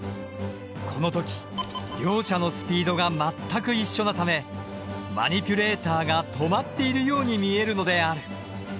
この時両者のスピードが全く一緒なためマニピュレーターが止まっているように見えるのである。